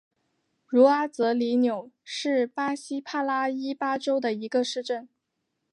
茹阿泽里纽是巴西帕拉伊巴州的一个市镇。